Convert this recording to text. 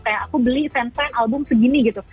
kayak aku beli fansign album segini gitu